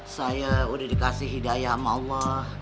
saya udah dikasih hidayah sama allah